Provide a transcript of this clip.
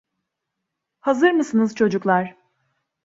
Hazır mısınız çocuklar?